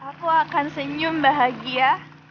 aku akan senyum bahagia